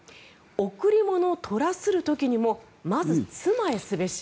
「贈り物とらする時にもまず妻へすべし」